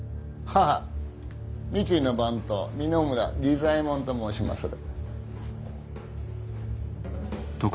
三井の番頭三野村利左衛門と申しまする。